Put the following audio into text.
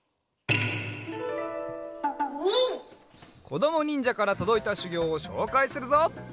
こどもにんじゃからとどいたしゅぎょうをしょうかいするぞ。